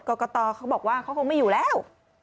กรกตเขาบอกว่าเขาคงไม่อยู่แล้ว